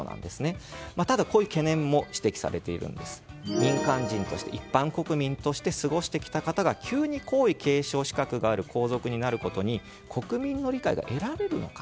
ただ、こういう懸念も指摘されていて民間人、一般国民として過ごされてきた方が急に、皇位継承がある皇族になることに国民の理解は得られるのか。